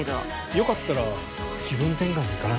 よかったら気分転換に行かない？